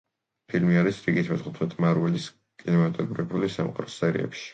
ფილმი არის რიგით მეთხუთმეტე მარველის კინემატოგრაფიული სამყაროს სერიებში.